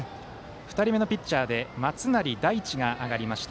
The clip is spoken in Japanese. ２人目のピッチャーで松成乃馳が上がりました。